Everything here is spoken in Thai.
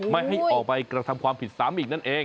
ไม่ให้ออกไปกระทำความผิดซ้ำอีกนั่นเอง